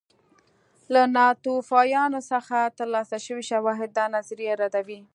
له ناتوفیان څخه ترلاسه شوي شواهد دا نظریه ردوي